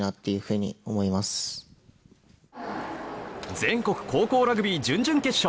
全国高校ラグビー準々決勝。